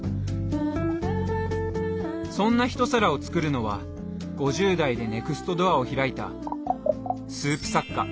そんな一皿を作るのは５０代でネクストドアを開いたスープ作家